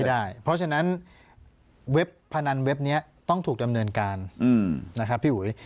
เพราะฉะนั้นเว็บพนันเว็บนี้ต้องถูกดำเนินการนะครับพี่อุ๋ย